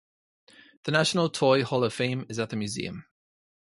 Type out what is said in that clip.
The National Toy Hall of Fame is at the museum.